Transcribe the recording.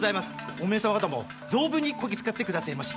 おめえ様方も存分にこき使ってくだせぇまし！